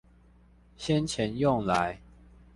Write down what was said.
先前用來